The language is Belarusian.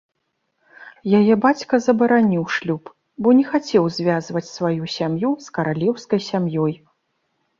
Яе бацька забараніў шлюб, бо не хацеў звязваць сваю сям'ю з каралеўскай сям'ёй.